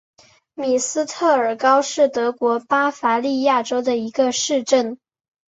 米斯特尔高是德国巴伐利亚州的一个市镇。